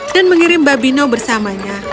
dan mengirim babino bersamanya